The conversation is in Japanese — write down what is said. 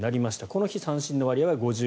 この日、三振の割合は５８％。